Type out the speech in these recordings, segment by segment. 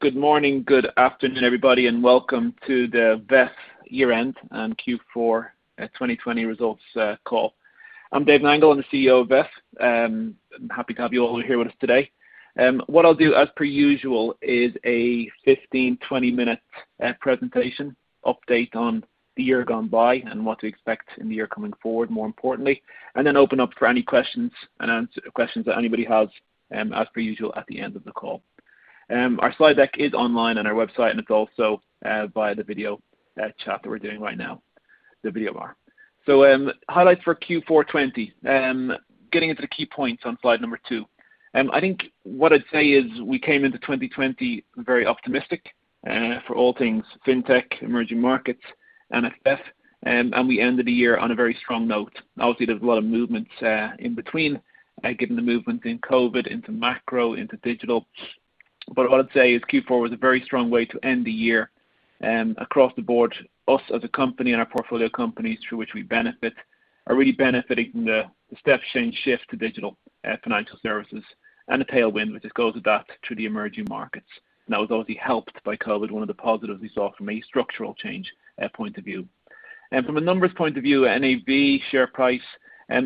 Good morning, good afternoon, everybody, and welcome to the VEF year-end and Q4 2020 results call. I'm Dave Nangle, I'm the CEO of VEF. I'm happy to have you all here with us today. What I'll do, as per usual, is a 15-20-minute presentation update on the year gone by and what to expect in the year coming forward, more importantly, and then open up for any questions that anybody has, as per usual, at the end of the call. Our slide deck is online on our website, and it's also via the video chat that we're doing right now, the video bar. Highlights for Q4 2020. Getting into the key points on slide number two. I think what I'd say is we came into 2020 very optimistic for all things fintech, emerging markets, and at VEF, and we ended the year on a very strong note. There were a lot of movements in between, given the movements in COVID, into macro, into digital. What I'd say is Q4 was a very strong way to end the year. Across the board, us as a company and our portfolio companies through which we benefit, are really benefiting from the step change shift to digital financial services and a tailwind, which just goes with that to the emerging markets. That was obviously helped by COVID, one of the positives we saw from a structural change point of view. From a numbers point of view, NAV, share price,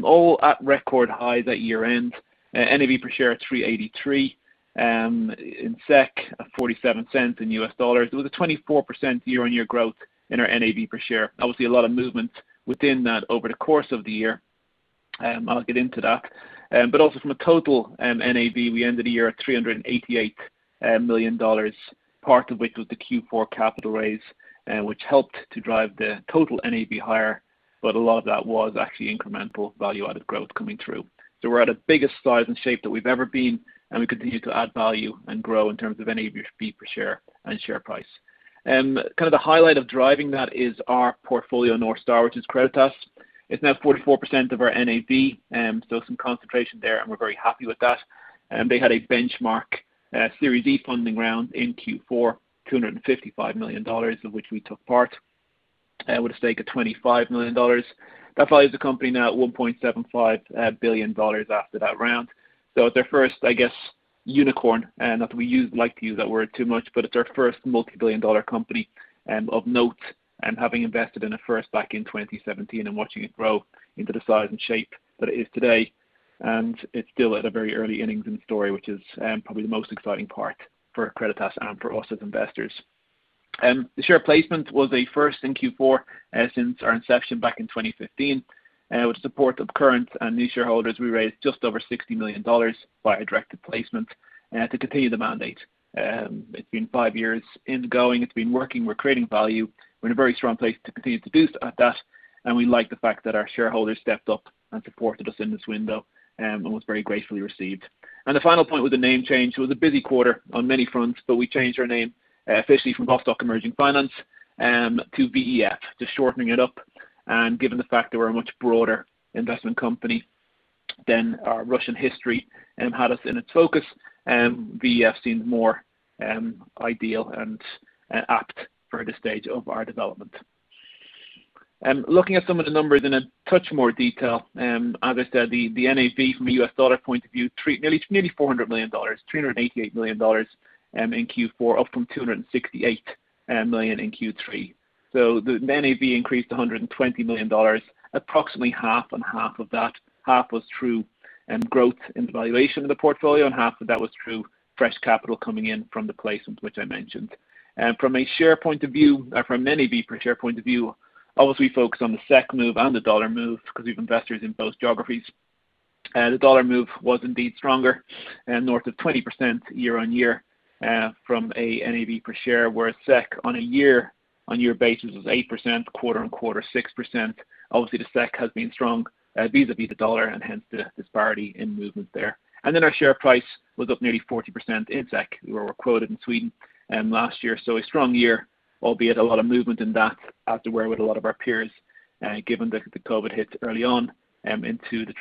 all at record highs at year end. NAV per share at 3.83, at $0.47. It was a 24% year-on-year growth in our NAV per share. A lot of movement within that over the course of the year. I'll get into that. Also from a total NAV, we ended the year at $388 million, part of which was the Q4 capital raise, which helped to drive the total NAV higher. A lot of that was actually incremental value-added growth coming through. We're at the biggest size and shape that we've ever been. We continue to add value and grow in terms of NAV per share and share price. The highlight of driving that is our portfolio North Star, which is Creditas. It's now 44% of our NAV, some concentration there. We're very happy with that. They had a benchmark Series D funding round in Q4, $255 million, of which we took part with a stake of $25 million. That values the company now at $1.75 billion after that round. It's their first unicorn. Not that we like to use that word too much, but it's our first multi-billion-dollar company of note, having invested in its first back in 2017 and watching it grow into the size and shape that it is today. It's still at a very early innings in the story, which is probably the most exciting part for Creditas and for us as investors. The share placement was a first in Q4 since our inception back in 2015. With support of current and new shareholders, we raised just over $60 million by a directed placement to continue the mandate. It's been five years in the going. It's been working. We're creating value. We're in a very strong place to continue to do that, and we like the fact that our shareholders stepped up and supported us in this window, and was very gratefully received. The final point with the name change, it was a busy quarter on many fronts, but we changed our name officially from Vostok Emerging Finance to VEF, just shortening it up. Given the fact that we're a much broader investment company than our Russian history had us in its focus, VEF seemed more ideal and apt for this stage of our development. Looking at some of the numbers in a touch more detail. As I said, the NAV from a US dollar point of view, nearly $400 million, $388 million in Q4, up from $268 million in Q3. The NAV increased to $120 million, approximately half on half of that. Half was through growth in the valuation of the portfolio and half of that was through fresh capital coming in from the placement, which I mentioned. From a share point of view, or from NAV per share point of view, obviously, we focused on the SEK move and the dollar move because we have investors in both geographies. The dollar move was indeed stronger, north of 20% year-on-year from a NAV per share, where SEK on a year-on-year basis was 8%, quarter-on-quarter 6%. Obviously, the SEK has been strong vis-a-vis the dollar, hence the disparity in movement there. Then our share price was up nearly 40% in SEK. We were quoted in Sweden last year. A strong year, albeit a lot of movement in that as there were with a lot of our peers, given that the COVID hit early on into the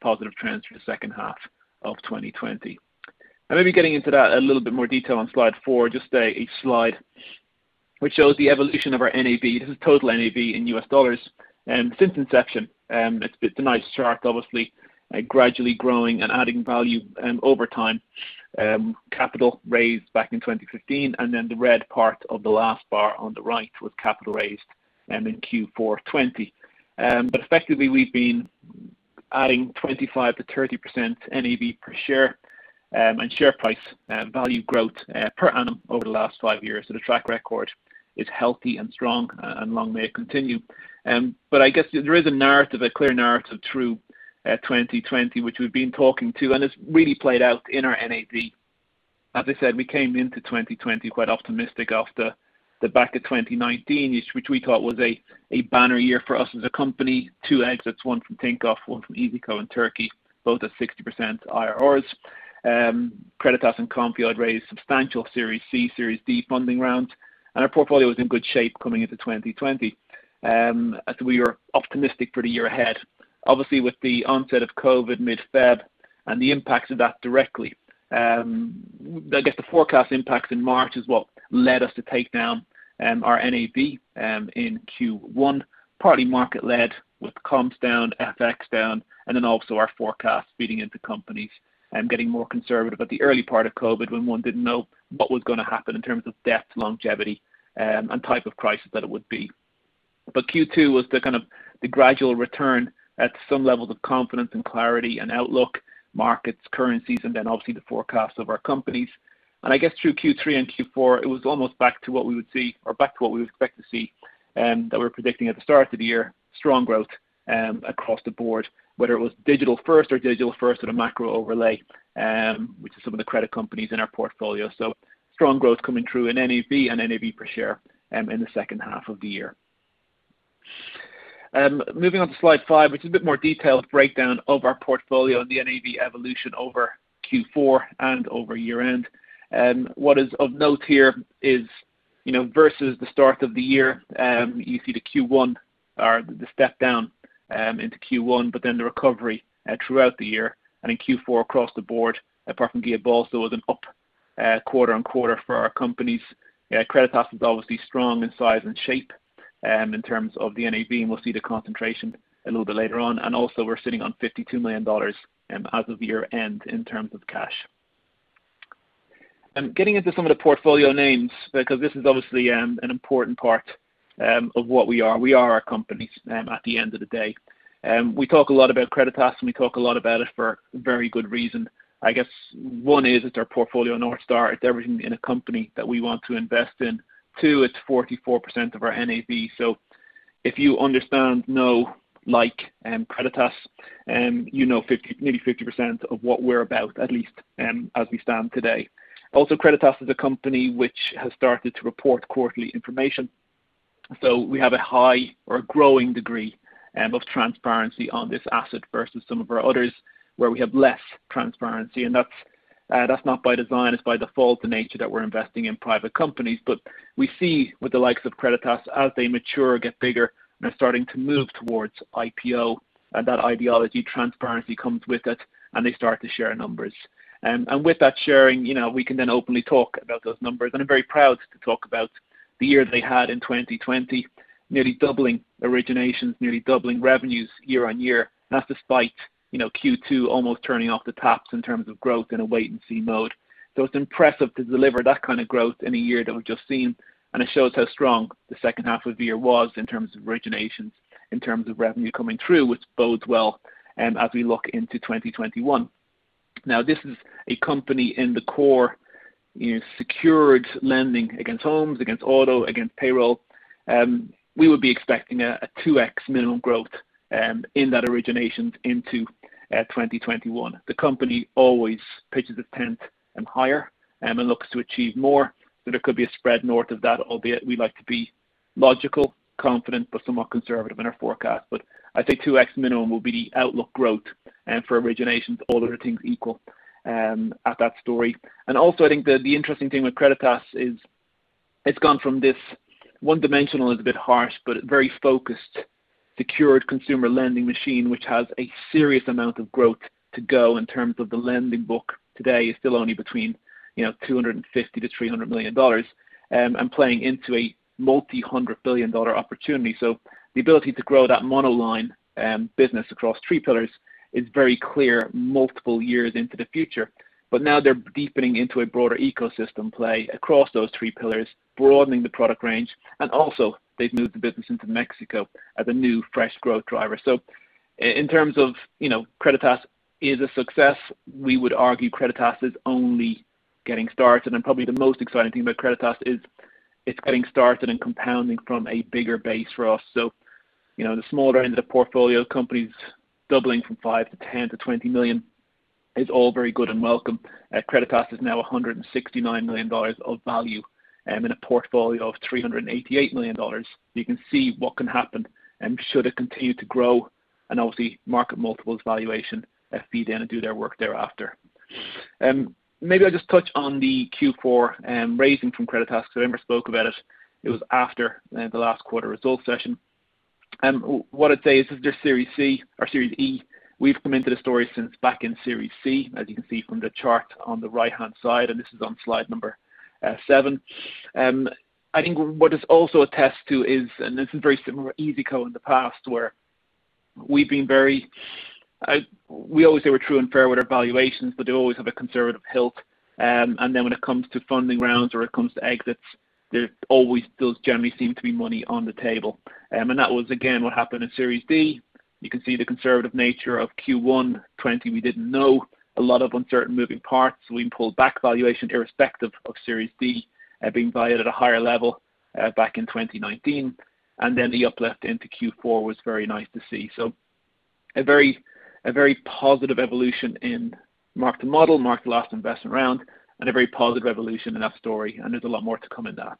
positive trends through the second half of 2020. Maybe getting into that in a little bit more detail on slide four, just a slide which shows the evolution of our NAV. This is total NAV in US dollars since inception. It's a nice chart, obviously. Gradually growing and adding value over time. Capital raised back in 2015, the red part of the last bar on the right was capital raised in Q4 2020. Effectively, we've been adding 25%-30% NAV per share and share price value growth per annum over the last five years. The track record is healthy and strong and long may it continue. I guess there is a narrative, a clear narrative through 2020, which we've been talking to, and it's really played out in our NAV. As I said, we came into 2020 quite optimistic after the back of 2019, which we thought was a banner year for us as a company. Two exits, one from Tinkoff, one from iyzico in Turkey, both at 60% IRRs. Creditas and Konfio had raised substantial Series C, Series D funding rounds. Our portfolio was in good shape coming into 2020. We were optimistic for the year ahead. Obviously, with the onset of COVID mid-Feb. The impact of that directly. I guess the forecast impact in March is what led us to take down our NAV in Q1, partly market-led with comms down, FX down. Also, our forecast is feeding into companies getting more conservative at the early part of COVID when one didn't know what was going to happen in terms of depth, longevity, and type of crisis that it would be. Q2 was the gradual return at some levels of confidence, and clarity, and outlook, markets, currencies, and then obviously the forecast of our companies. I guess through Q3 and Q4, it was almost back to what we would see or back to what we expect to see that we were predicting at the start of the year, strong growth across the board, whether it was digital first or digital first at a macro overlay, which is some of the credit companies in our portfolio. Strong growth coming through in NAV and NAV per share in the second half of the year. Moving on to slide five, which is a bit more detailed breakdown of our portfolio and the NAV evolution over Q4 and over year-end. What is of note here is versus the start of the year, you see the step down into Q1, but then the recovery throughout the year and in Q4 across the board, apart from Guiabolso, it was an up quarter-on-quarter for our companies. Creditas is obviously strong in size and shape in terms of the NAV, we'll see the concentration a little bit later on. Also, we're sitting on $52 million as of year-end in terms of cash. Getting into some of the portfolio names, because this is obviously an important part of what we are. We are our companies at the end of the day. We talk a lot about Creditas, we talk a lot about it for very good reasons. I guess one is it's our portfolio North Star. It's everything in a company that we want to invest in. Two, it's 44% of our NAV. If you understand, know, like Creditas, you know nearly 50% of what we're about, at least as we stand today. Also, Creditas is a company which has started to report quarterly information. We have a high or a growing degree of transparency on this asset versus some of our others, where we have less transparency. That's not by design; it's by default, the nature that we're investing in private companies. We see with the likes of Creditas, as they mature, get bigger, and they're starting to move towards IPO, and that ideology transparency comes with it, and they start to share numbers. With that sharing, we can then openly talk about those numbers. I'm very proud to talk about the year they had in 2020, nearly doubling originations, nearly doubling revenues year on year. That's despite Q2 almost turning off the taps in terms of growth in a wait-and-see mode. It's impressive to deliver that kind of growth in a year that we've just seen, and it shows how strong the second half of the year was in terms of originations, in terms of revenue coming through, which bodes well as we look into 2021. This is a company in the core secured lending against homes, against auto, against payroll. We would be expecting a 2x minimum growth in that originations into 2021. The company always pitches a tent higher and looks to achieve more. There could be a spread north of that, albeit we like to be logical, confident, but somewhat conservative in our forecast. I think 2x minimum will be the outlook growth for originations, all other things equal at that story. I think the interesting thing with Creditas is it's gone from this one-dimensional is a bit harsh, but very focused, secured consumer lending machine, which has a serious amount of growth to go in terms of the lending book today is still only between $250 million-$300 million and playing into a multi-hundred billion dollar opportunity. The ability to grow that monoline business across three pillars is very clear multiple years into the future. Now they're deepening into a broader ecosystem play across those three pillars, broadening the product range. They've moved the business into Mexico as a new, fresh growth driver. In terms of Creditas is a success, we would argue Creditas is only getting started. Probably the most exciting thing about Creditas is its getting started and compounding from a bigger base for us. The smaller end of the portfolio companies doubling from $5 million-$10 million-$20 million is all very good and welcome. Creditas is now $169 million of value in a portfolio of $388 million. You can see what can happen should it continue to grow, and obviously, market multiples valuation feed in and do their work thereafter. Maybe I'll just touch on the Q4 raising from Creditas. Emer spoke about it. It was after the last quarter results session. What I'd say is this is their Series C or Series E. We've come into the story since back in Series C, as you can see from the chart on the right-hand side, and this is on slide number seven. I think what it also attests to is, this is very similar to iyzico in the past, where we always say we're true and fair with our valuations, but they always have a conservative hilt. When it comes to funding rounds or it comes to exits, there always does generally seem to be money on the table. That was again what happened in Series D. You can see the conservative nature of Q1 2020. We didn't know. A lot of uncertain moving parts. We pulled back valuation irrespective of Series D being valued at a higher level back in 2019. The uplift into Q4 was very nice to see. A very positive evolution in mark-to-model, mark-to-last investment round, and a very positive evolution in that story. There's a lot more to come in that.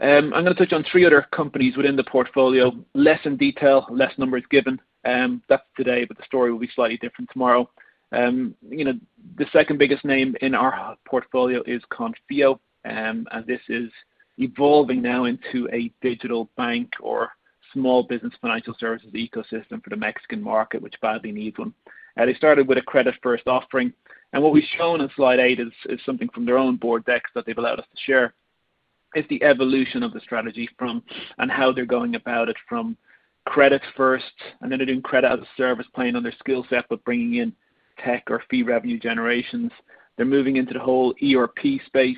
I'm going to touch on three other companies within the portfolio. Less in detail, less numbers given. That's today, but the story will be slightly different tomorrow. The second biggest name in our portfolio is Konfio, and this is evolving now into a digital bank or small business financial services ecosystem for the Mexican market, which badly needs one. They started with a credit-first offering. What we've shown in slide eight is something from their own board decks that they've allowed us to share, is the evolution of the strategy from, and how they're going about it from credit first and then they're doing credit as a service playing on their skill set, but bringing in tech or fee revenue generations. They're moving into the whole ERP space,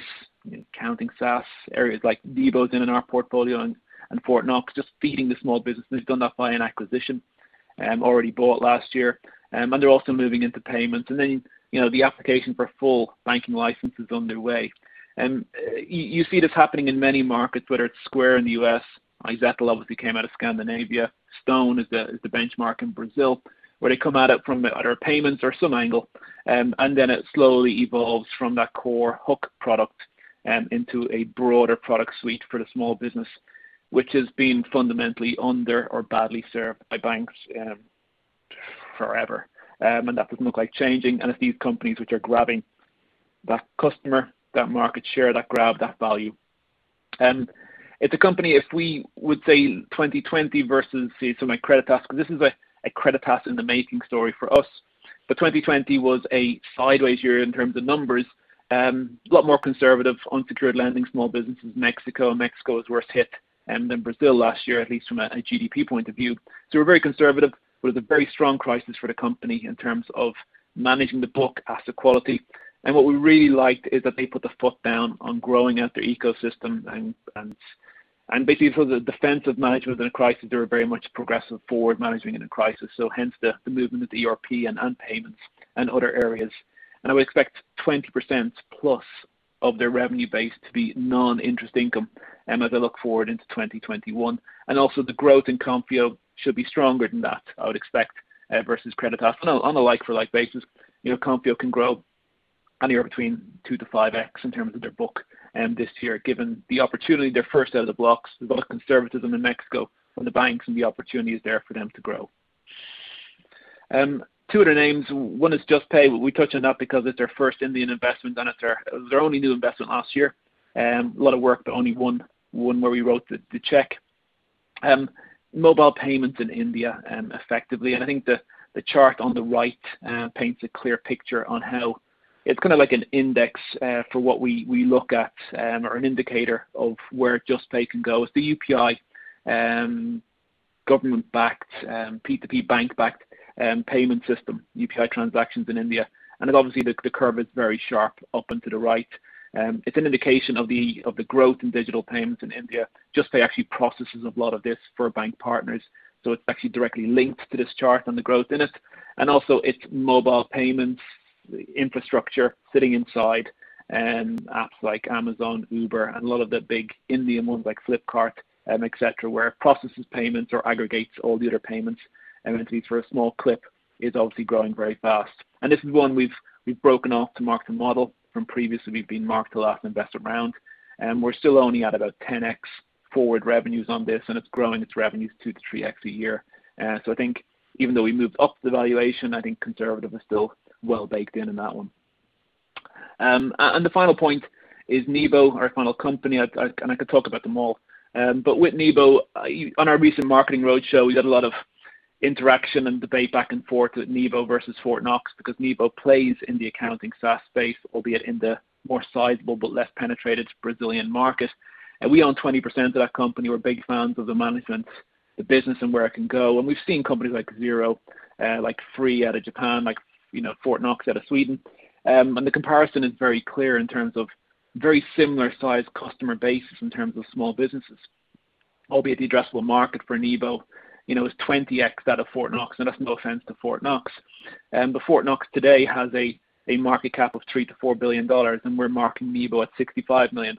accounting SaaS areas like Nibo's in our portfolio and Fortnox, just feeding the small business, they've done that by an acquisition, already bought last year. They're also moving into payments. The application for a full banking license is underway. You see this happening in many markets, whether it's Square in the U.S. iZettle, which obviously came out of Scandinavia. StoneCo is the benchmark in Brazil, where they come at it from other payments or some angle. It slowly evolves from that core hook product into a broader product suite for the small business, which has been fundamentally under or badly served by banks forever. That doesn't look like changing. It's these companies which are grabbing that customer, that market share, that grab that value. It's a company if we would say 2020 versus say, like Creditas, because this is a Creditas in the making story for us. 2020 was a sideways year in terms of numbers. A lot more conservative, unsecured lending, small businesses, Mexico. Mexico was worst hit than Brazil last year, at least from a GDP point of view. We're very conservative. It was a very strong crisis for the company in terms of managing the book asset quality. What we really liked is that they put the foot down on growing out their ecosystem, and basically, for the defensive management in a crisis, they were very much progressive forward managing in a crisis. Hence, the movement of the ERP and payments and other areas. I would expect +20% of their revenue base to be non-interest income as I look forward into 2021. Also, the growth in Konfio should be stronger than that, I would expect, versus Creditas. On a like for like basis, Konfio can grow anywhere between two to 5x in terms of their book this year. Given the opportunity, they're first out of the blocks. There's a lot of conservatism in Mexico from the banks and the opportunity is there for them to grow. Two other names, one is Juspay. We touch on that because it's our first Indian investment and it's our only new investment last year. A lot of work, but only one where we wrote the check. Mobile payments in India effectively. I think the chart on the right paints a clear picture on how it's like an index for what we look at or an indicator of where Juspay can go. It's the UPI government-backed, P2P bank backed payment system, UPI transactions in India. Obviously, the curve is very sharp up and to the right. It's an indication of the growth in digital payments in India. Juspay actually processes a lot of this for bank partners, it's actually directly linked to this chart and the growth in it. Also, its mobile payments infrastructure sitting inside apps like Amazon, Uber, and a lot of the big Indian ones like Flipkart, et cetera, where it processes payments or aggregates all the other payments, then takes a small clip, is obviously growing very fast. This is one we've broken off to mark-to-model from previously we've been mark to last investor round. We're still only at about 10x forward revenues on this, it's growing its revenues 2x-3x a year. I think even though we moved up the valuation, I think conservative is still well baked in in that one. The final point is Nibo, our final company. I could talk about them all. With Nibo, on our recent marketing roadshow, we had a lot of interaction and debate back and forth with Nibo versus Fortnox because Nibo plays in the accounting SaaS space, albeit in the more sizable but less penetrated Brazilian market. We own 20% of that company. We're big fans of the management, the business, and where it can go. We've seen companies like Xero, like freee out of Japan, like Fortnox out of Sweden. The comparison is very clear in terms of very similar-sized customer bases in terms of small businesses. Albeit the addressable market for Nibo, is 20x that of Fortnox, and that's no offense to Fortnox. Fortnox today has a market cap of $3 billion-$4 billion, and we're marking Nibo at $65 million.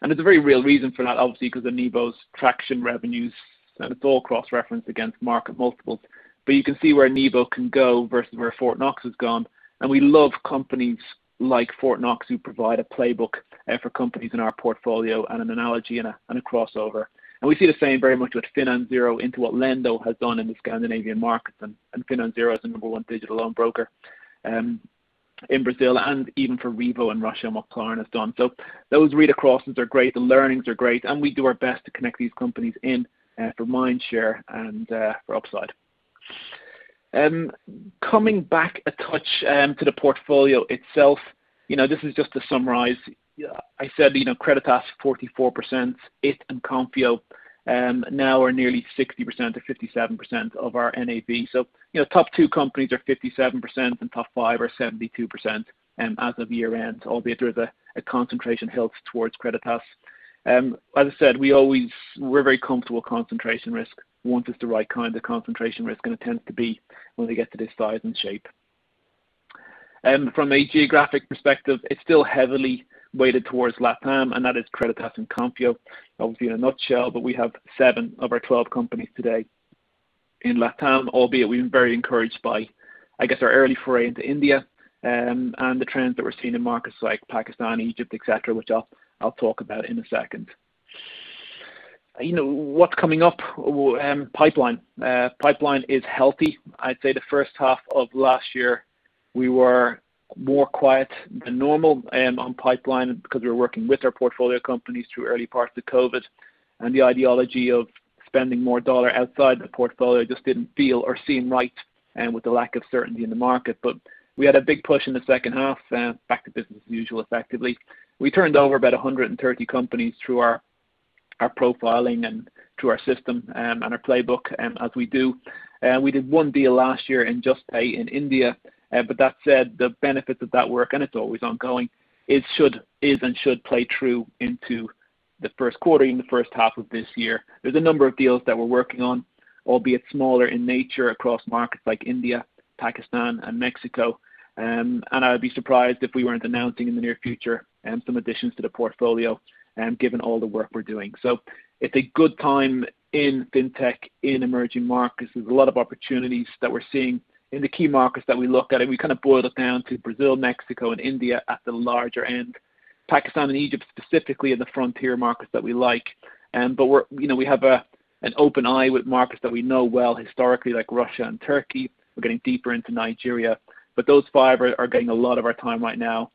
There's a very real reason for that, obviously, because of Nibo's traction revenues, and it's all cross-referenced against market multiples. You can see where Nibo can go versus where Fortnox has gone. We love companies like Fortnox, who provide a playbook for companies in our portfolio and an analogy and a crossover. We see the same very much with FinanZero, into what Lendo has done in the Scandinavian markets. FinanZero is the number one digital loan broker in Brazil, and even for Revo in Russia, and what Klarna has done. Those read acrosses are great. The learnings are great, and we do our best to connect these companies in for mind share and for upside. Coming back a touch to the portfolio itself. This is just to summarize. I said Creditas 44%. It and Konfio now are nearly 60%-57% of our NAV. Top two companies are 57% and top five are 72% as of year-end, albeit there is a concentration hilt towards Creditas. As I said, we're very comfortable with concentration risk once it's the right kind of concentration risk, and it tends to be when they get to this size and shape. From a geographic perspective, it's still heavily weighted towards LatAm, and that is Creditas and Konfio, obviously, in a nutshell. We have seven of our 12 companies today in LatAm, albeit we've been very encouraged by, I guess, our early foray into India, and the trends that we're seeing in markets like Pakistan, Egypt, et cetera, which I'll talk about in a second. What's coming up? Pipeline. Pipeline is healthy. I'd say the first half of last year. We were more quiet than normal on pipeline because we were working with our portfolio companies through early parts of COVID, and the ideology of spending more dollar outside the portfolio just didn't feel or seem right with the lack of certainty in the market. We had a big push in the second half, back to business as usual, effectively. We turned over about 130 companies through our profiling and through our system and our playbook, as we do. We did one deal last year in Juspay in India. That said, the benefits of that work, and it's always ongoing, is and should play through into the first quarter, in the first half of this year. There's a number of deals that we're working on, albeit smaller in nature, across markets like India, Pakistan, and Mexico. I would be surprised if we weren't announcing in the near future some additions to the portfolio, given all the work we're doing. It's a good time in fintech, in emerging markets. There's a lot of opportunities that we're seeing in the key markets that we look at, and we kind of boil it down to Brazil, Mexico, and India at the larger end. Pakistan and Egypt, specifically in the frontier markets that we like. We have an open eye with markets that we know well historically, like Russia and Turkey. We're getting deeper into Nigeria. Those five are getting a lot of our time right now.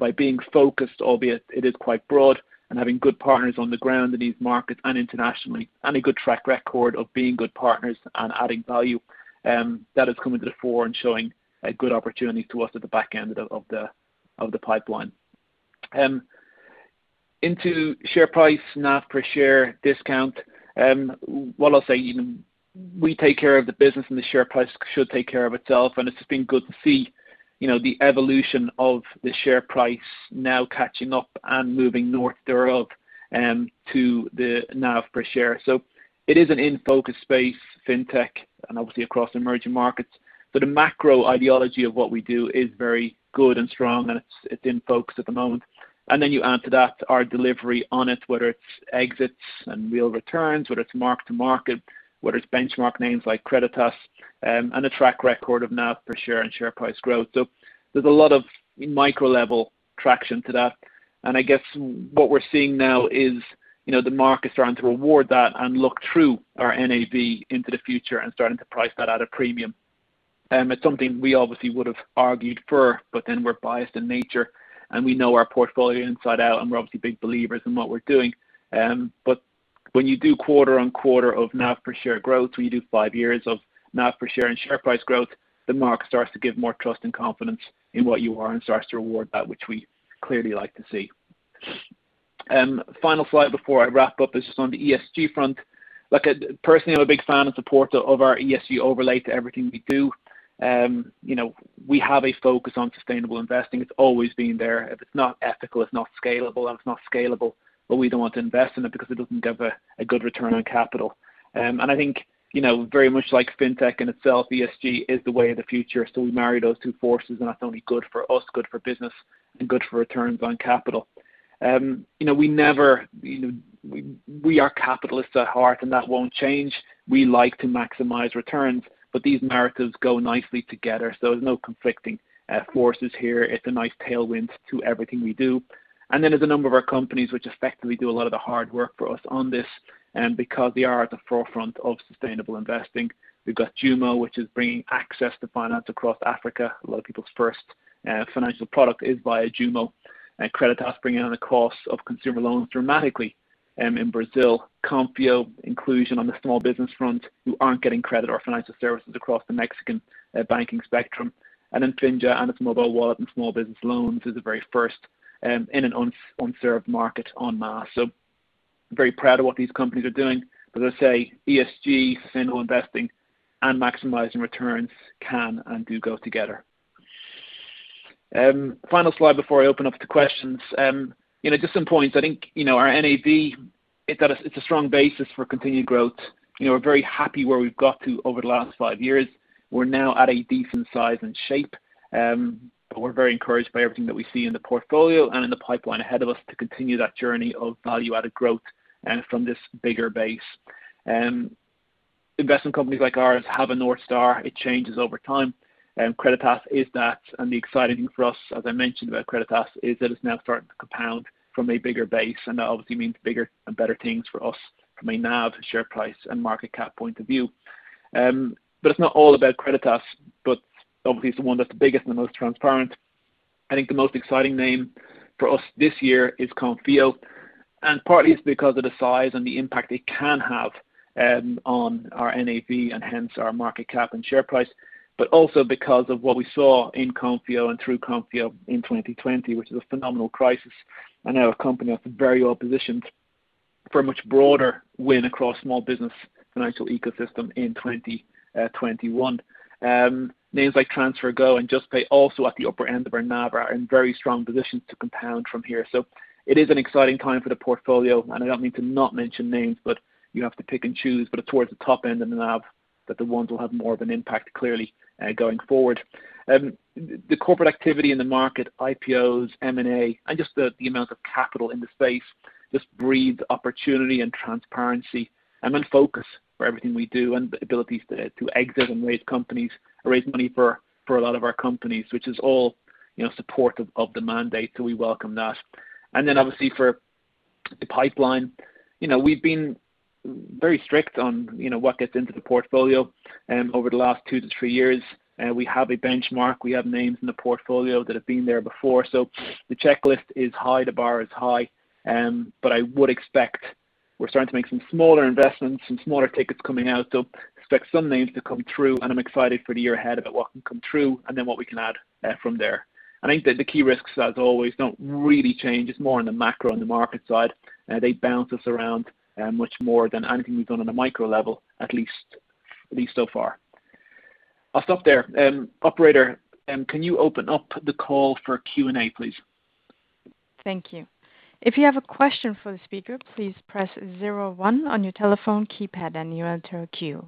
By being focused, albeit it is quite broad, and having good partners on the ground in these markets and internationally, and a good track record of being good partners and adding value, that is coming to the fore and showing good opportunities to us at the back end of the pipeline. Into share price, NAV per share discount. What I'll say, we take care of the business, and the share price should take care of itself. It's just been good to see the evolution of the share price now catching up and moving north thereof to the NAV per share. It is an in-focus space, fintech, and obviously across emerging markets. The macro ideology of what we do is very good and strong, and it's in focus at the moment. You add to that our delivery on it, whether it's exits and real returns, whether it's mark to market, whether it's benchmark names like Creditas, and a track record of NAV per share and share price growth. There's a lot of micro-level traction to that. I guess what we're seeing now is the market starting to reward that and look through our NAV into the future and starting to price that at a premium. It's something we obviously would've argued for, but then we're biased in nature, and we know our portfolio inside out, and we're obviously big believers in what we're doing. When you do quarter-on-quarter of NAV per share growth, when you do five years of NAV per share and share price growth, the market starts to give more trust and confidence in what you are and starts to reward that, which we clearly like to see. Final slide before I wrap up is just on the ESG front. Personally, I'm a big fan and supporter of our ESG overlay to everything we do. We have a focus on sustainable investing. It's always been there. If it's not ethical, it's not scalable. If it's not scalable, well, we don't want to invest in it because it doesn't give a good return on capital. I think very much like fintech in itself, ESG is the way of the future. We marry those two forces, and that's only good for us, good for business, and good for returns on capital. We are capitalists at heart, and that won't change. We like to maximize returns, but these narratives go nicely together, so there's no conflicting forces here. It's a nice tailwind to everything we do. Then there's a number of our companies which effectively do a lot of the hard work for us on this because they are at the forefront of sustainable investing. We've got JUMO, which is bringing access to finance across Africa. A lot of people's first financial product is via JUMO. Creditas bringing down the cost of consumer loans dramatically in Brazil. Konfio, an inclusion on the small business front who aren't getting credit or financial services across the Mexican banking spectrum. Finja and its mobile wallet and small business loans is the very first in an unserved market en masse. Very proud of what these companies are doing. As I say, ESG, sustainable investing, and maximizing returns can and do go together. Final slide before I open up to questions. Just some points. I think our NAV, it's a strong basis for continued growth. We're very happy where we've got to over the last five years. We're now at a decent size and shape. We're very encouraged by everything that we see in the portfolio and in the pipeline ahead of us to continue that journey of value-added growth from this bigger base. Investment companies like ours have a North Star. It changes over time. Creditas is that, and the exciting thing for us, as I mentioned about Creditas, is that it's now starting to compound from a bigger base, and that obviously means bigger and better things for us from a NAV, share price, and market cap point of view. It's not all about Creditas, but obviously, it's the one that's the biggest and the most transparent. I think the most exciting name for us this year is Konfio. Partly it's because of the size and the impact it can have on our NAV and hence our market cap and share price, but also because of what we saw in Konfio and through Konfio in 2020, which was a phenomenal crisis, and now a company that's very well positioned for a much broader win across small business financial ecosystem in 2021. Names like TransferGo and Juspay, also at the upper end of our NAV, are in very strong positions to compound from here. It is an exciting time for the portfolio, and I don't mean to not mention names, but you have to pick and choose. It's towards the top end of the NAV that the ones will have more of an impact, clearly, going forward. The corporate activity in the market, IPOs, M&A, and just the amount of capital in the space, just breeds opportunity and transparency, and then focus for everything we do and the abilities to exit and raise money for a lot of our companies, which is all supportive of the mandate, so we welcome that. Then obviously for the pipeline. We've been very strict on what gets into the portfolio. Over the last two to three years, we have a benchmark; we have names in the portfolio that have been there before. The checklist is high, the bar is high. I would expect we're starting to make some smaller investments, some smaller tickets coming out. Expect some names to come through, and I'm excited for the year ahead about what can come through and then what we can add from there. I think that the key risks, as always, don't really change. It's more on the macro, on the market side. They bounce us around much more than anything we've done on a micro level, at least so far. I'll stop there. Operator, can you open up the call for Q&A, please? Thank you. If you have a question for the speaker, please press zero one on your telephone keypad and you'll enter a queue.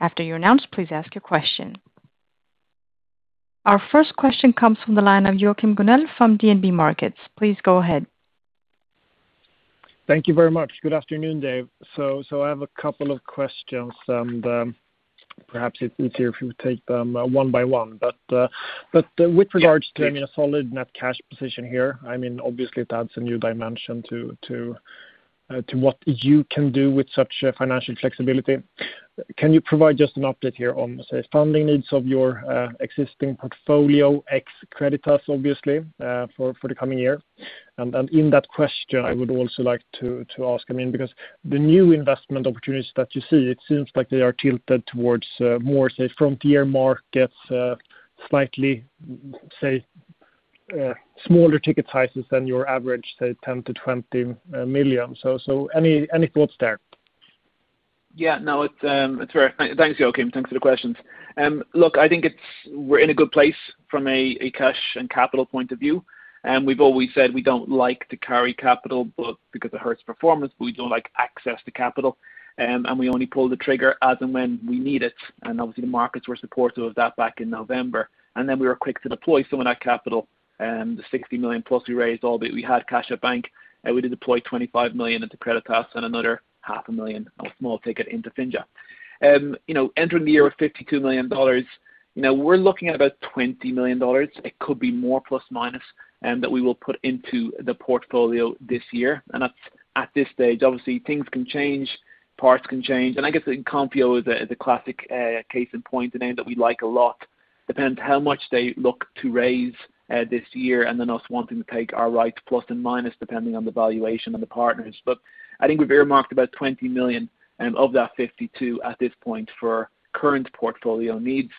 After you're announced, please ask your question. Our first question comes from the line of Joachim Gunell from DNB Markets. Please go ahead. Thank you very much. Good afternoon, Dave. I have a couple of questions, and perhaps it's easier if you take them one by one. Yeah, please. To a solid net cash position here, obviously, that's a new dimension to what you can do with such financial flexibility. Can you provide just an update here on, say, funding needs of your existing portfolio, ex-Creditas obviously, for the coming year? In that question, I would also like to ask, because the new investment opportunities that you see, it seems like they are tilted towards more, say, frontier markets, slightly smaller ticket sizes than your average, say, 10 million-20 million. Any thoughts there? Yeah, no. It's fair. Thanks, Joachim. Thanks for the questions. I think we're in a good place from a cash and capital point of view. We've always said we don't like to carry capital, both because it hurts performance, but we don't like access to capital. We only pull the trigger as and when we need it. Obviously, the markets were supportive of that back in November. We were quick to deploy some of that capital, the +$60 million we raised, albeit we had cash at bank, and we did deploy $25 million into Creditas and another half a million on a small ticket into Finja. Entering the year with $52 million. Now we're looking at about $20 million. It could be more ±, that we will put into the portfolio this year. That's at this stage. Obviously, things can change, parts can change. I guess Konfio is a classic case in point, a name that we like a lot. Depends how much they look to raise this year, and then us wanting to take our rights, plus and minus, depending on the valuation and the partners. I think we've earmarked about $20 million of that $52 at this point for current portfolio needs.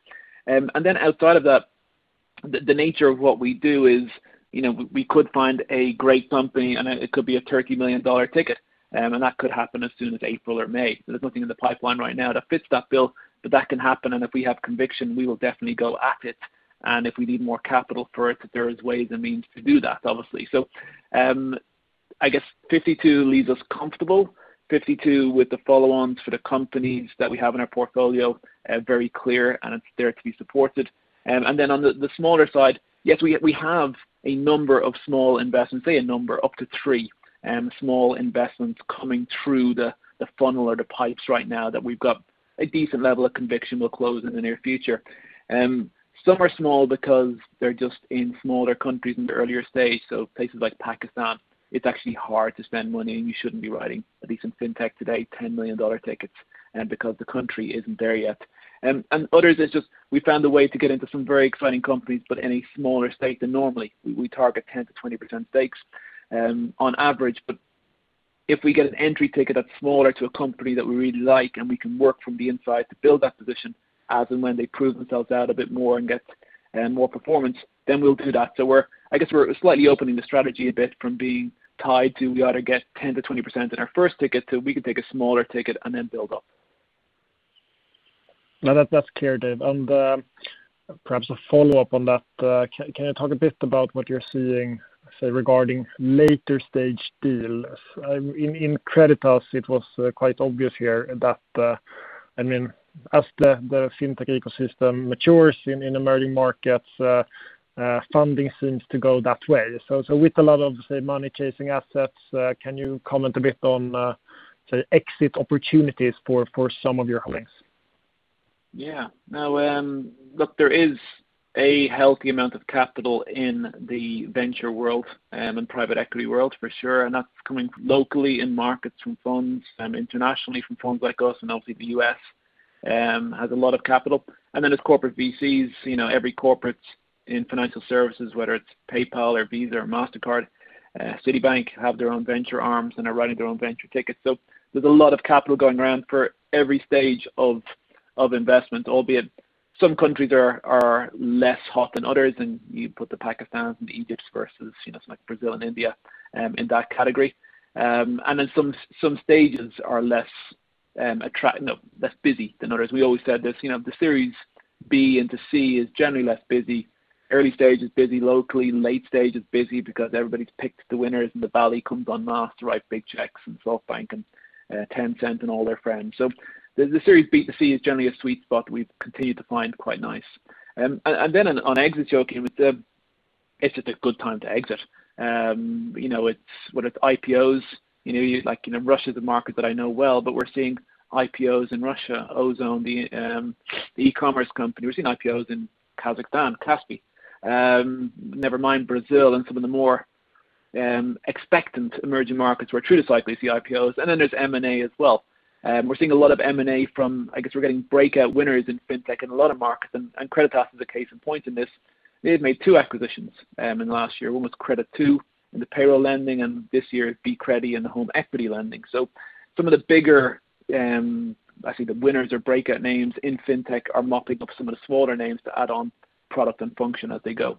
Outside of that, the nature of what we do is we could find a great company, and it could be a $30 million ticket. That could happen as soon as April or May. There's nothing in the pipeline right now that fits that bill. That can happen, and if we have conviction, we will definitely go at it. If we need more capital for it, there is ways and means to do that, obviously. I guess 52 leaves us comfortable. 52 with the follow-ons for the companies that we have in our portfolio, very clear, and it's there to be supported. On the smaller side, yes, we have a number of small investments. Say a number up to three small investments coming through the funnel or the pipes right now that we've got a decent level of conviction will close in the near future. Some are small because they're just in smaller countries in the earlier stage. Places like Pakistan, it's actually hard to spend money, and you shouldn't be writing, at least in fintech today, $10 million tickets, because the country isn't there yet. Others, it's just we found a way to get into some very exciting companies, but in a smaller stake than normally. We target 10%-20% stakes on average. If we get an entry ticket that's smaller to a company that we really like and we can work from the inside to build that position as and when they prove themselves out a bit more and get more performance, then we'll do that. I guess we're slightly opening the strategy a bit from being tied to we ought to get 10%-20% in our first ticket so we can take a smaller ticket and then build up. No, that's clear, Dave. Perhaps a follow-up on that. Can you talk a bit about what you're seeing, say, regarding later-stage deals? In Creditas, it was quite obvious here that as the fintech ecosystem matures in emerging markets, funding seems to go that way. With a lot of, say, money-chasing assets, can you comment a bit on, say, exit opportunities for some of your holdings? There is a healthy amount of capital in the venture world and private equity world for sure, that's coming locally in markets from funds, internationally from funds like us. Obviously, the U.S. has a lot of capital. Then it's corporate VCs. Every corporate in financial services, whether it's PayPal or Visa or Mastercard, Citibank, have their own venture arms and are writing their own venture tickets. There's a lot of capital going around for every stage of investment, albeit some countries are less hot than others. You put the Pakistans and the Egypts versus like Brazil and India in that category. Then some stages are less busy than others. We always said this, the Series B into C is generally less busy. Early stage is busy locally. Late stage is busy because everybody's picked the winners and the valley comes en masse to write big checks and SoftBank and Tencent and all their friends. The Series B to C is generally a sweet spot we've continued to find quite nice. Then on exit, Joachim, it's just a good time to exit. What with IPOs, Russia's a market that I know well, but we're seeing IPOs in Russia, Ozon, the e-commerce company. We're seeing IPOs in Kazakhstan, Kaspi.kz. Never mind Brazil and some of the more expectant emerging markets where true to cycle you see IPOs, and then there's M&A as well. We're seeing a lot of M&A from, I guess we're getting breakout winners in fintech in a lot of markets, and Creditas is a case in point in this. They've made two acquisitions in the last year. One was Creditoo in the payroll lending, and this year it would be CrediHome in the home equity lending. Some of the bigger, I think the winners or breakout names in fintech are mopping up some of the smaller names to add on product and function as they go.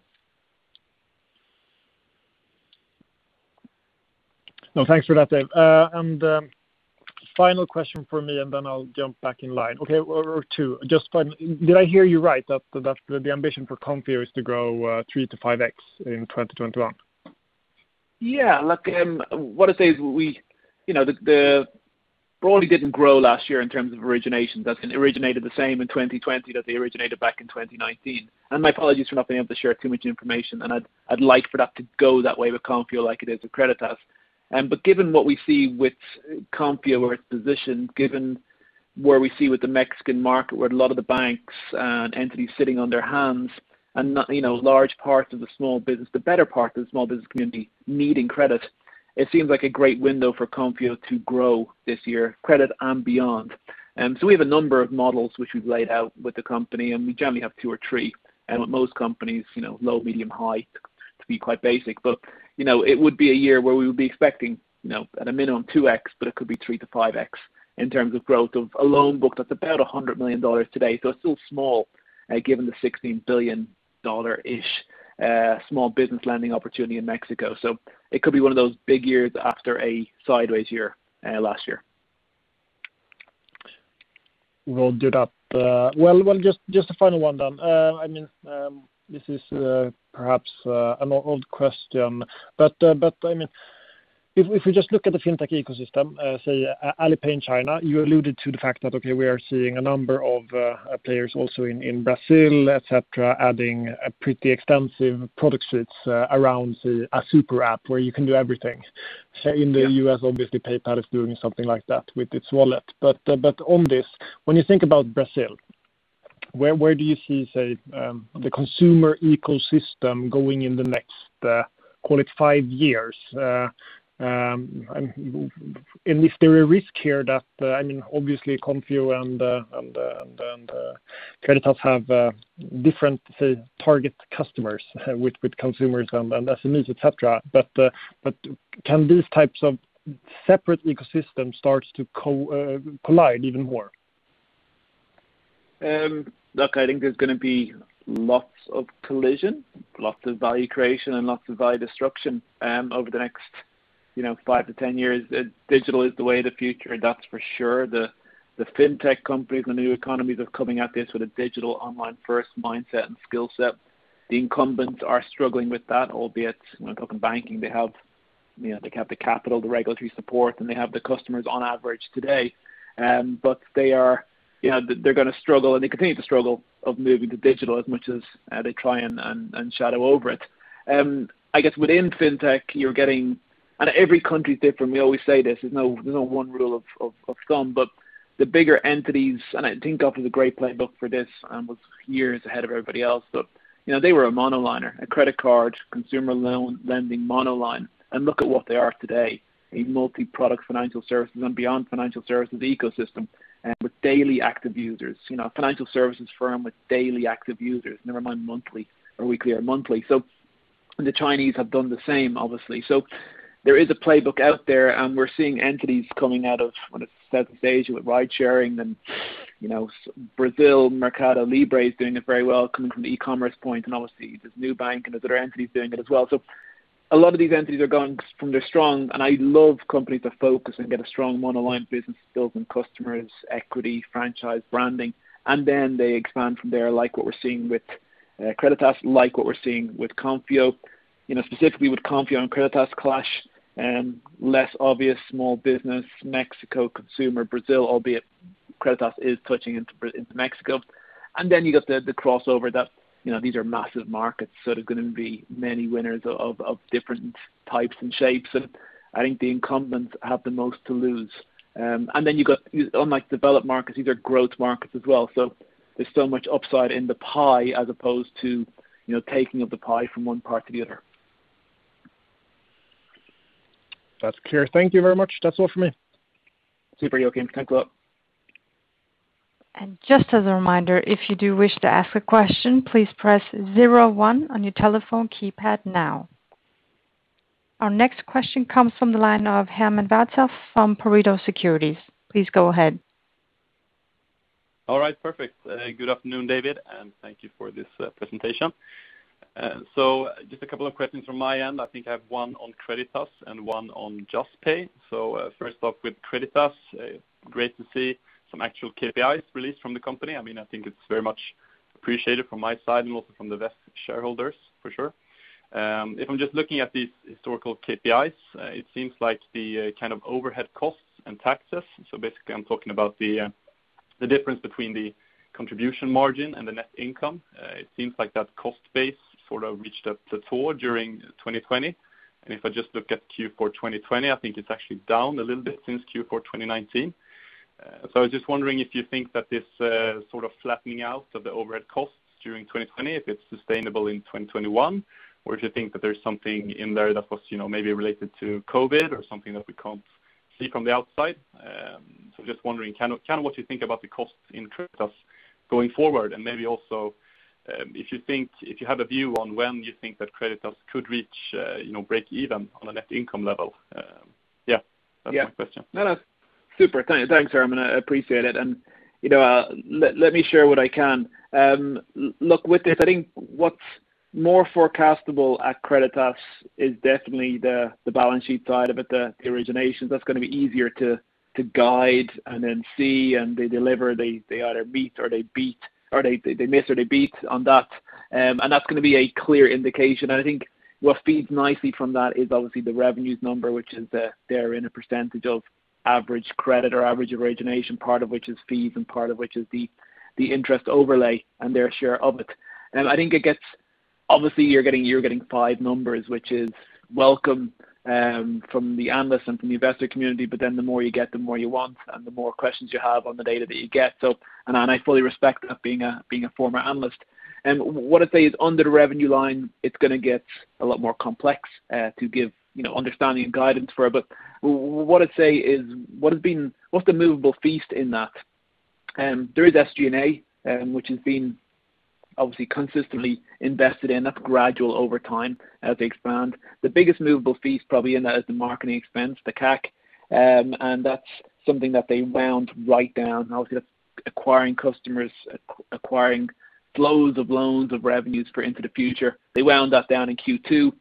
No, thanks for that, Dave. Final question from me, then I'll jump back in line. Okay. Or two. Just finally, did I hear you right that the ambition for Konfio is to grow 3x-5x in 2021? Yeah. Look, what I'd say is broadly didn't grow last year in terms of origination. It originated the same in 2020 that they originated back in 2019. My apologies for not being able to share too much information, and I'd like for that to go that way with Konfío like it is with Creditas. Given what we see with Konfío, or its position, given where we see with the Mexican market, where a lot of the banks and entities sitting on their hands and not large parts of the small business, the better part of the small business community needing credit, it seems like a great window for Konfío to grow this year, credit and beyond. We have a number of models which we've laid out with the company, and we generally have two or three, and with most companies, low, medium, high, to be quite basic. It would be a year where we would be expecting, at a minimum, 2x, but it could be 3x-5x in terms of growth of a loan book that's about $100 million today. It's still small, given the $16 billion-ish small business lending opportunity in Mexico. It could be one of those big years after a sideways year, last year. Will do that. Well, just a final one then. This is perhaps an old question, but if we just look at the fintech ecosystem, say, Alipay in China, you alluded to the fact that okay, we are seeing a number of players also in Brazil, et cetera, adding pretty extensive product suites around a super app where you can do everything. Say in the U.S., obviously, PayPal is doing something like that with its wallet. On this, when you think about Brazil, where do you see, say, the consumer ecosystem going in the next, call it five years, and if there's a risk here that obviously Konfio and Creditas have different, say, target customers with consumers and SMEs, et cetera, but can these types of separate ecosystems start to collide even more? Look, I think there's going to be lots of collisions, lots of value creation, and lots of value destruction over the next 5-10 years. Digital is the way of the future, that's for sure. The fintech companies, the new economies are coming at this with a digital, online-first mindset and skillset. The incumbents are struggling with that, albeit when talking banking, they have the capital, the regulatory support, and they have the customers on average today. They're going to struggle, and they continue to struggle of moving to digital as much as they try and shadow over it. I guess within fintech, every country's different, we always say this. There's no one rule of thumb, but the bigger entries, I think, [the great plan of this year], and everybody else. They were a monoliner, a credit card, consumer loan lending monoline, and look at what they are today, a multi-product financial services and beyond financial services ecosystem with daily active users. A financial services firm with daily active users, never mind monthly or weekly or monthly. The Chinese have done the same obviously. There is a playbook out there, and we're seeing entities coming out of, whether it's Southeast Asia with ride sharing and Brazil, MercadoLibre is doing it very well coming from the e-commerce point. Obviously, there's Nubank, and there's other entities doing it as well. A lot of these entities are going from their strong, and I love companies that focus and get a strong monoline business built on customers, equity, franchise, branding, and then they expand from there, like what we're seeing with Creditas, like what we're seeing with Konfio. Specifically, with Konfio and Creditas clash, less obvious small business Mexico consumer Brazil, albeit Creditas is touching into Mexico. You got the crossover that these are massive markets, there are going to be many winners of different types and shapes. I think the incumbents have the most to lose. You got, unlike developed markets, these are growth markets as well. There's so much upside in the pie as opposed to taking of the pie from one part to the other. That's clear. Thank you very much. That's all for me. Super, Joachim. Thanks a lot. Just as a reminder, if you do wish to ask a question, please press zero one on your telephone keypad now. Our next question comes from the line of Herman Wartoft from Pareto Securities. Please go ahead. All right. Perfect. Good afternoon, Dave, and thank you for this presentation. Just a couple of questions from my end. I think I have one on Creditas and one on Juspay. First off with Creditas, great to see some actual KPIs released from the company. I think it's very much appreciated from my side and also from the VEF shareholders for sure. If I'm just looking at these historical KPIs, it seems like the overhead costs and taxes, so basically, I'm talking about the difference between the contribution margin and the net income. It seems like that cost base sort of reached a plateau during 2020. If I just look at Q4 2020, I think it's actually down a little bit since Q4 2019. I was just wondering if you think that this sort of flattening out of the overhead costs during 2020 if it's sustainable in 2021, or if you think that there's something in there that was maybe related to COVID or something that we can't see from the outside. Just wondering kind of what you think about the costs in going forward, and maybe also if you have a view on when you think that credit risks could reach breakeven on a net income level. Yeah. Yeah. That's my question. No, no. Super. Thanks, Herman. I appreciate it. Let me share what I can. Look, with this, I think what's more forecastable at Creditas is definitely the balance sheet side of it, the originations. That's gonna be easier to guide and then see, and they deliver. They either miss or they beat on that. That's gonna be a clear indication. I think what feeds nicely from that is obviously the revenue number, which is there in a percentage of average credit or average origination, part of which is fees and part of which is the interest overlay and their share of it. Obviously you're getting five numbers, which is welcome from the analysts and from the investor community. The more you get, the more you want, and the more questions you have on the data that you get. I fully respect that, being a former analyst. What I'd say is under the revenue line, it's gonna get a lot more complex to give understanding and guidance for. What I'd say is, what's the movable feast in that? There is SG&A, which has been obviously consistently invested in. That's gradual over time as they expand. The biggest movable feast probably in that is the marketing expense, the CAC, and that's something that they wound right down. Obviously, that's acquiring customers, acquiring flows of loans, of revenues for into the future. They wound that down in Q2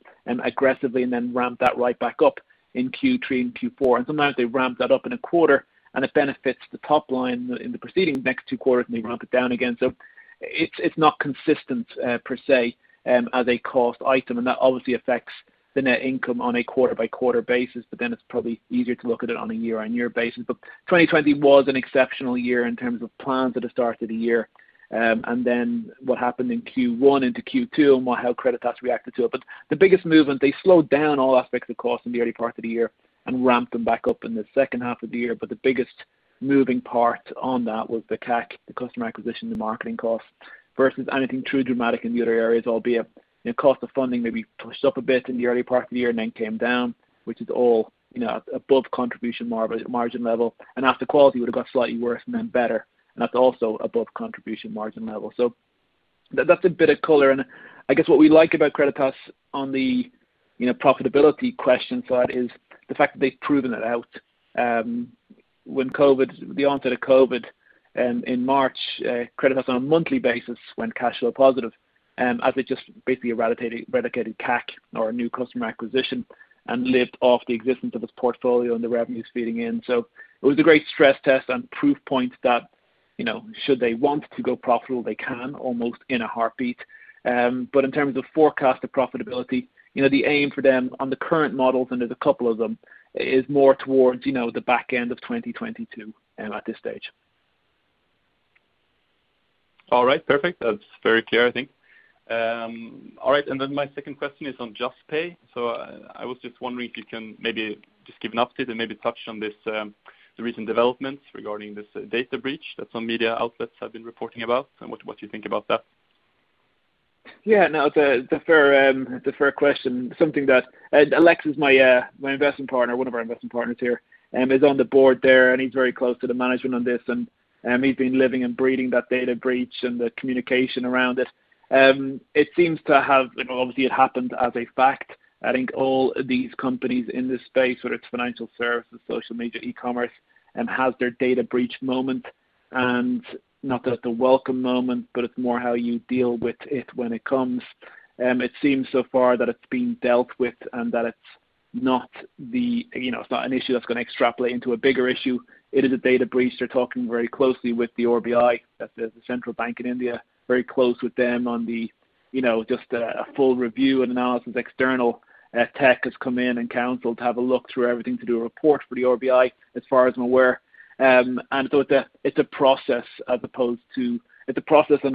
aggressively and then ramped that right back up in Q3 and Q4. Sometimes they ramp that up in a quarter, and it benefits the top line in the proceeding next two quarters, and they ramp it down again. It's not consistent per se as a cost item, and that obviously affects the net income on a quarter-by-quarter basis. Then it's probably easier to look at it on a year-on-year basis. 2020 was an exceptional year in terms of plans at the start of the year. What happened in Q1 into Q2, and how Creditas reacted to it. The biggest movement, they slowed down all aspects of cost in the early part of the year and ramped them back up in the second half of the year. The biggest moving part on that was the CAC, the customer acquisition, the marketing cost, versus anything too dramatic in the other areas, albeit cost of funding maybe pushed up a bit in the early part of the year and then came down, which is all above contribution margin level. Asset quality would've got slightly worse and then better, and that's also above contribution margin level. That's a bit of color. I guess what we like about Creditas on the profitability question side is the fact that they've proven it out. With the onset of COVID in March, Creditas, on a monthly basis, went cash flow positive as they just basically eradicated CAC or new customer acquisition and lived off the existence of its portfolio and the revenues feeding in. It was a great stress test and proof point that should they want to go profitable, they can almost in a heartbeat. In terms of forecasted profitability, the aim for them on the current models, and there's a couple of them, is more towards the back end of 2022 at this stage. All right. Perfect. That's very clear, I think. All right. My second question is on Juspay. I was just wondering if you can maybe just give an update and maybe touch on the recent developments regarding this data breach that some media outlets have been reporting about, and what you think about that. Yeah, no, it's a fair question. Alexis, one of our investment partners here, is on the board there, and he's very close to the management on this, and he's been living and breathing that data breach and the communication around it. Obviously, it happened as a fact. I think all these companies in this space, whether it's financial services, social media, e-commerce, has their data breach moment. Not that it's a welcome moment, but it's more how you deal with it when it comes. It seems so far that it's being dealt with and that it's not an issue that's gonna extrapolate into a bigger issue. It is a data breach. They're talking very closely with the RBI. That's the central bank in India. Very close with them on just a full review and analysis. External tech has come in and counseled to have a look through everything to do a report for the RBI, as far as I'm aware. So it's a process and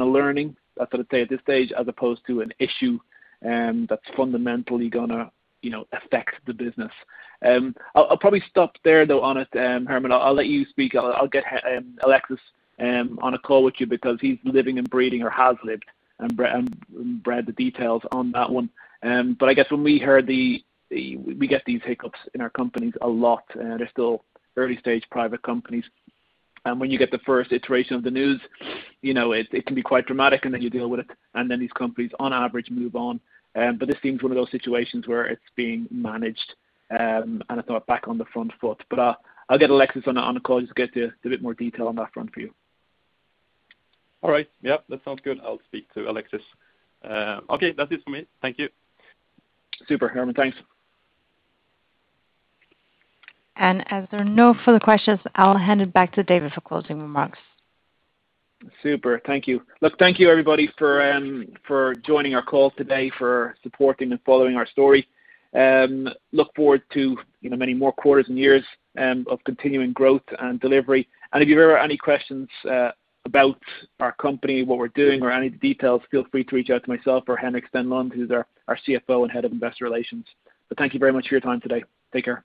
a learning, that's what I'd say at this stage, as opposed to an issue that's fundamentally gonna affect the business. I'll probably stop there, though, on it, Herman. I'll let you speak. I'll get Alexis on a call with you because he's living and breathing, or has lived and breathed the details on that one. We get these hiccups in our companies a lot. They're still early-stage private companies. When you get the first iteration of the news, it can be quite dramatic, and then you deal with it, and then these companies, on average, move on. This seems one of those situations where it's being managed, and it's not back on the front foot. I'll get Alexis on a call just to get a bit more detail on that front for you. All right. Yep. That sounds good. I'll speak to Alexis. Okay. That's it for me. Thank you. Super, Herman. Thanks. As there are no further questions, I'll hand it back to Dave for closing remarks. Super. Thank you. Thank you, everybody for joining our call today, for supporting and following our story. Look forward to many more quarters and years of continuing growth and delivery. If you ever have any questions about our company, what we're doing, or any of the details, feel free to reach out to myself or Henrik Stenlund, who's our CFO and Head of Investor Relations. Thank you very much for your time today. Take care.